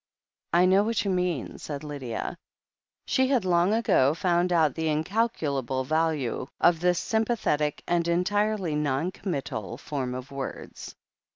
"I know what you mean," said Lydia. She had long ago found out the incalculable value of this sympa thetic, and entirely non committal, form of words.